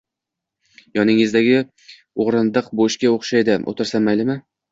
-Yoningizdagi o’rindiq bo’shga o’xshaydi. O’tirsam, maylimi?